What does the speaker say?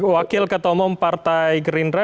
wakil ketomong partai gerindra